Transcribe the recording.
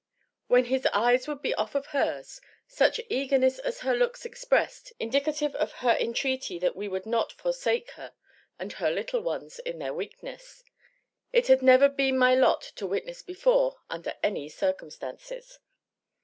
When his eyes would be off of hers, such eagerness as her looks expressed, indicative of her entreaty that we would not forsake her and her little ones in their weakness, it had never been my lot to witness before, under any circumstances.